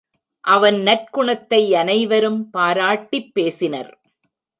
அவன் நற்குணத்தை அனைவரும் பாராட்டிப் பேசினர்.